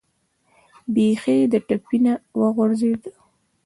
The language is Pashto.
بیخي د ټپې نه و غورځېد.